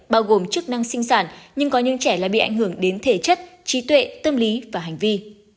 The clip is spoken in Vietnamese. bao gồm chức năng sinh sản nhưng có những trẻ lại bị ảnh hưởng đến thể chất trí tuệ tâm lý và hành vi